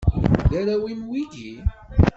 D arraw-im wigi?